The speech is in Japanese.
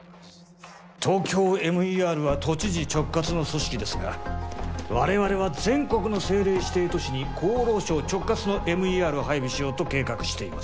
ＴＯＫＹＯＭＥＲは都知事直轄の組織ですが我々は全国の政令指定都市に厚労省直轄のＭＥＲを配備しようと計画しています